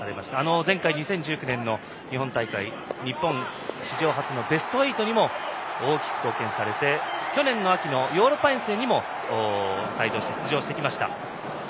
前回、２０１９年の日本大会日本史上初のベスト８にも大きく貢献されて去年秋のヨーロッパ遠征にも帯同して出場されました。